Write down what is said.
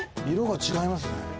色が違いますね。